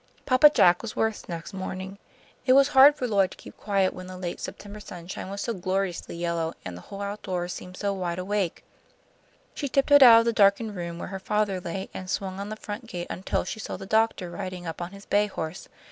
Papa Jack was worse next morning. It was hard for Lloyd to keep quiet when the late September sunshine was so gloriously yellow and the whole outdoors seemed so wide awake. She tiptoed out of the darkened room where her father lay, and swung on the front gate until she saw the doctor riding up on his bay horse.